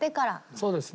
そうですね。